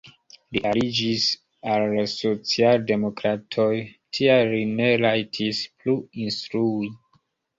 Li aliĝis al la socialdemokratoj, tial li ne rajtis plu instrui.